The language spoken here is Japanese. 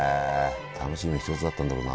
楽しみの一つだったんだろうな。